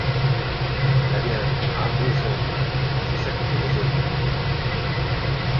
La guerre, ah! bon sang ! c’est ça qui fait les hommes !...